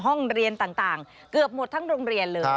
ห้องเรียนต่างเกือบหมดทั้งโรงเรียนเลย